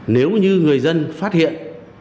nếu như người dân phát hiện